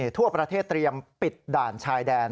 ทั่วประเทศเตรียมปิดด่านชายแดน